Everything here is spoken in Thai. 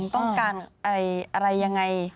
ต้องการอะไรยังไง